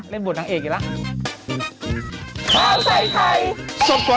เล่นบทนางเอกอีกแล้ว